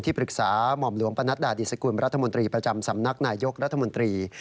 ปรึกษาหม่อมหลวงปนัดดาดิสกุลรัฐมนตรีประจำสำนักนายยกรัฐมนตรี